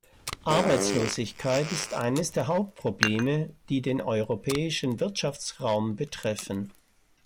Arbeitslosigkeit ist eines der Hauptprobleme, die den Europäischen Wirtschaftsraum betreffen.